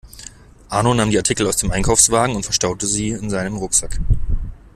Arno nahm die Artikel aus dem Einkaufswagen und verstaute sie in seinem Rucksack.